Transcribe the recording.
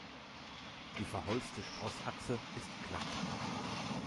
Die verholzte Sprossachse ist glatt.